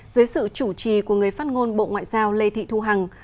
dưới sự chủ trì của người phát ngôn bộ ngoại giao lê thị thu hằng